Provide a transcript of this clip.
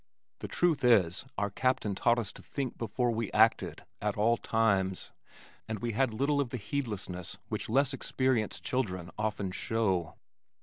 The truth is our captain taught us to think before we acted at all times, and we had little of the heedlessness which less experienced children often show.